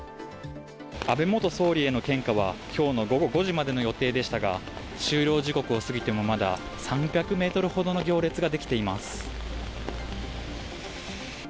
安倍元総理への献花は今日の午後５時までの予定でしたが終了時刻を過ぎても、まだ３００ｍほどの行列ができています。